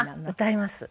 歌います。